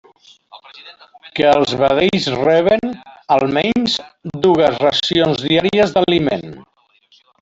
Que els vedells reben, almenys, dues racions diàries d'aliment.